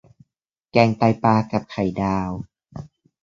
แกงไตปลากับไข่ดาว